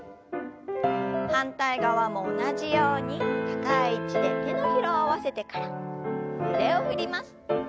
反対側も同じように高い位置で手のひらを合わせてから腕を振ります。